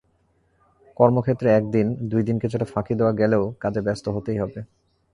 কর্মক্ষেত্রে একদিন, দুই দিন কিছুটা ফাঁকি দেওয়া গেলেও কাজে ব্যস্ত হতেই হবে।